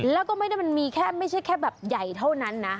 แล้วก็ไม่ได้มันมีแค่ไม่ใช่แค่แบบใหญ่เท่านั้นนะ